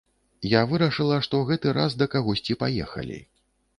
Я вырашыла, што гэты раз да кагосьці паехалі.